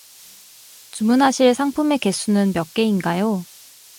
주문하실 상품의 개수는 몇 개인가요?